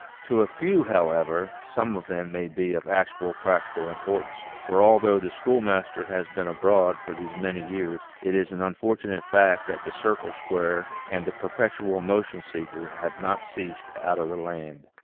To a few, however, some of them may be of actual practical importance, for although the schoolmaster has been abroad for these many years, it is an unfortunate fact that the circle squarer and the per petual motion seeker have not ceased out of the land.